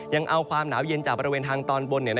ยังเอาความหนาวเย็นจากบริเวณทางตอนบน